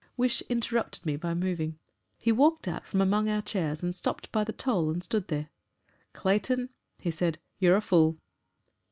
Wish interrupted me by moving. He walked out from among our chairs and stopped beside the tole and stood there. "Clayton," he said, "you're a fool."